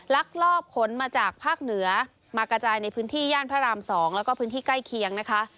ลักลอบขนมาจากภาคเหนือมากระจายในพื้นที่ย่านพระราม๒แล้วก็พื้นที่ใกล้เคียงนะคะ